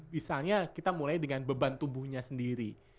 misalnya kita mulai dengan beban tubuhnya sendiri